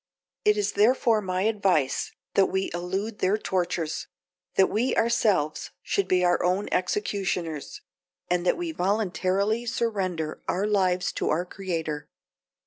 It is therefore my advice that we elude their tortures; that we ourselves should be our own executioners; and that we voluntarily surrender our lives to our Creator.